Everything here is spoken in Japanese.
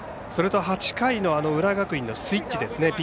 それと８回の浦和学院のスイッチですね。